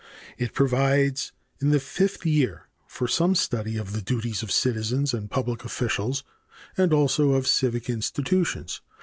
It provides in the fifth year for some study of the duties of citizens and public officials, and also of civic institutions.